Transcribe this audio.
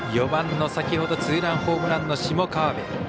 ４番の先ほどツーランホームランの下川邊。